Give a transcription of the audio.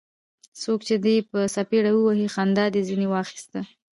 څوک چي دي په څپېړه ووهي؛ خندا دي ځني واخسته.